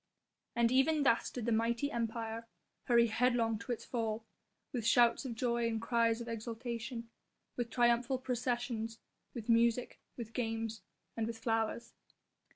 And even thus did the mighty Empire hurry headlong to its fall; with shouts of joy and cries of exultation, with triumphal processions, with music, with games and with flowers.